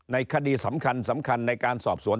คดีสำคัญสำคัญในการสอบสวน